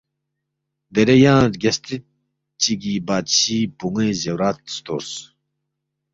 دیرے ینگ رگیاسترِد چِگی بادشی بون٘وے زیورات ستورس